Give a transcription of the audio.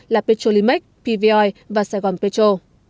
là petrolimex pvoi và saigon petrol